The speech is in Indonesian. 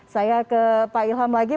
saya ke pak ilham lagi